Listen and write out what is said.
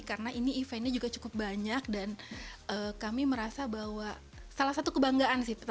karena ini eventnya juga cukup banyak dan kami merasa bahwa salah satu kebanggaan sih